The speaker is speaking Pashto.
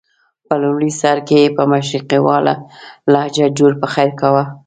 په لومړي سر کې یې په مشرقیواله لهجه جوړ پخیر کاوه.